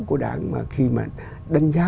của đảng mà khi mà đánh giá